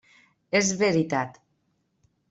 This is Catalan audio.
És veritat.